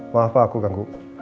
maaf pak aku ganggu